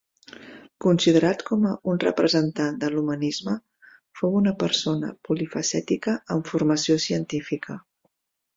Considerat com un representant de l'humanisme, fou una persona polifacètica amb formació científica.